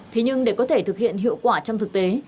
thế nhưng để có thể thực hiện hiệu quả trong thực tế